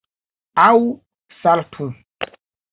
Aŭ saltu